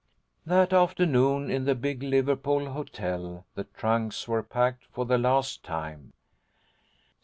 That afternoon, in the big Liverpool hotel, the trunks were packed for the last time.